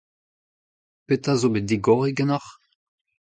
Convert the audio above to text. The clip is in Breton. Petra zo bet digoret ganeoc'h ?